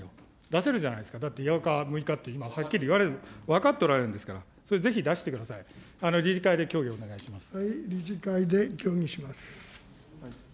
出せるじゃないですか、だって８日、６日ってはっきり言われる、分かってるんですから、ぜひ出してください、で協議をお願いします。